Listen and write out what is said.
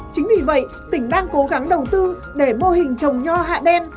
chính vì vậy tỉnh đang cố gắng đầu tư để mô hình trồng nho hạ đen